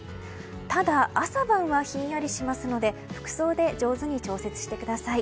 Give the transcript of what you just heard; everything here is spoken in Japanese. ただ、朝晩はひんやりしますので服装で上手に調節してください。